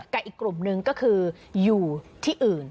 อีกกลุ่มนึงก็คืออยู่ที่อื่น